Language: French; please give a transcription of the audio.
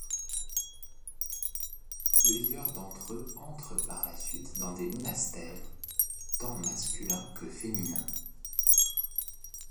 Plusieurs d'entre eux entrent par la suite dans des monastères, tant masculins que féminins.